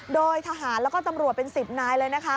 โดยทหารแล้วก็ตำรวจเป็น๑๐นายเลยนะคะ